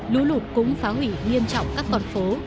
lũ lụt cũng phá hủy nghiêm trọng các con phố